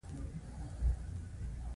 خدای دې مې ایمان ته خیر پېښ کړي.